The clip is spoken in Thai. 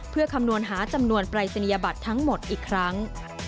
เพื่อคำนวณหาจำนวนปรายศนียบัตรทั้งหมดอีกครั้ง